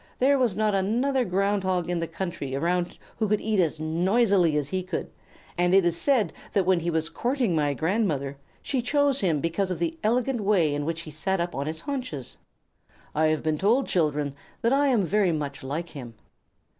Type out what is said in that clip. There was not another Ground Hog in the country around who could eat as noisily as he, and it is said that when he was courting my grandmother she chose him because of the elegant way in which he sat up on his haunches. I have been told, children, that I am very much like him."